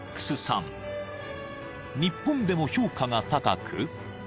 ［日本でも評価が高く］